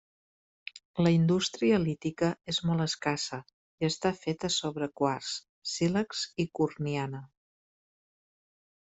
La indústria lítica és molt escassa, i està feta sobre quars, sílex i corniana.